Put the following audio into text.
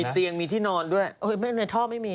เตียงมีที่นอนด้วยในท่อไม่มี